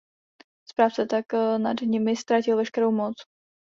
Správce tak nad nimi ztratil veškerou moc.